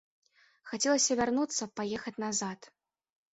Хацелася вярнуцца, паехаць назад.